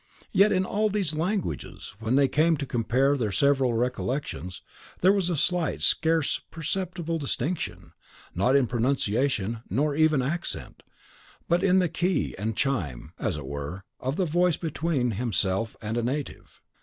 Yet in all these languages, when they came to compare their several recollections, there was a slight, scarce perceptible distinction, not in pronunciation, nor even accent, but in the key and chime, as it were, of the voice, between himself and a native.